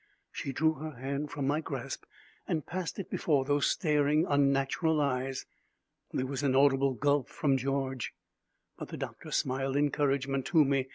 She drew her hand from my grasp and passed it before those staring, unnatural eyes. There was an audible gulp from George. But the doctor smiled encouragement to me.